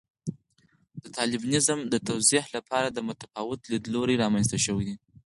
د طالبانیزم د توضیح لپاره متفاوت لیدلوري رامنځته شوي.